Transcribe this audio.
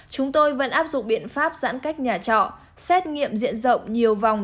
chúng tôi vẫn áp dụng biện pháp giãn cách nhà trọ xét nghiệm diện rộng nhiều vòng